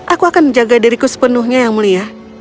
aku akan menjaga diriku sepenuhnya yang mulia